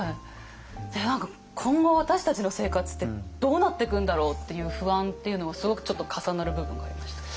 何か今後私たちの生活ってどうなっていくんだろうっていう不安っていうのもすごくちょっと重なる部分がありました。